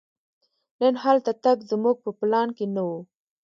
نن هلته تګ زموږ په پلان کې نه و.